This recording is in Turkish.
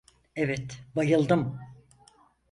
Evet, bayıldım.